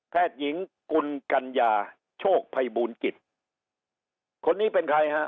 หญิงกุลกัญญาโชคภัยบูลกิจคนนี้เป็นใครฮะ